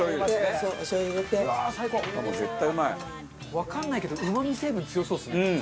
わかんないけどうまみ成分強そうですね。